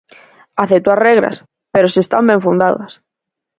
Acepto as regras, pero se están ben fundadas.